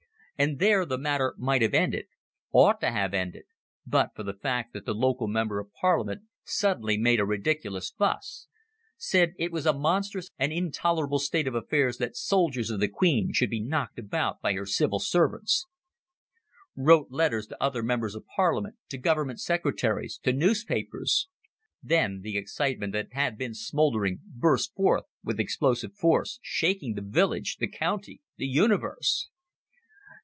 And there the matter might have ended, ought to have ended, but for the fact that the local Member of Parliament suddenly made a ridiculous fuss said it was a monstrous and intolerable state of affairs that soldiers of the Queen should be knocked about by her civil servants wrote letters to other Members of Parliament, to Government secretaries, to newspapers. Then the excitement that had been smoldering burst forth with explosive force, shaking the village, the county, the universe.